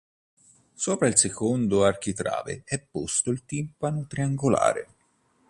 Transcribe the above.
Sopra il secondo architrave è posto il timpano triangolare.